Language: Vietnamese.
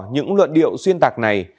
những luận điệu xuyên tạc này